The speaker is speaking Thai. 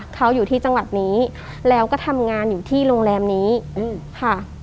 เขาอยู่ที่จังหวัดนี้แล้วก็ทำงานอยู่ที่โรงแรมนี้ค่ะ